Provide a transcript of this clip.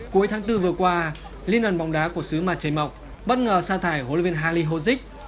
cuối tháng bốn vừa qua liên đoàn vòng đá của xứ mặt trời mộc bất ngờ sa thải hội luyện viên hallyu hoshiki